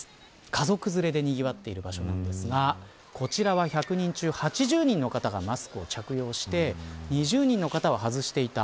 家族連れでにぎわっている場所なんですがこちらは１００人中８０人の方がマスクを着用して２０人の方は外していた。